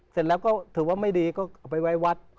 เสร็จแล้วก็ถือว่าไม่ดีก็เอาไปไว้วัด